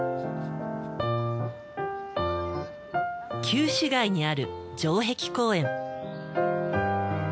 旧市街にある城壁公園。